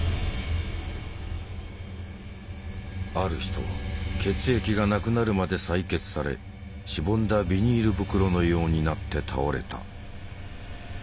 ある人は血液がなくなるまで採血されしぼんだビニール袋のようになって倒れた。